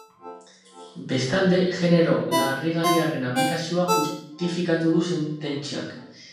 Bestalde, genero larrigarriaren aplikazioa justifikatu du sententziak.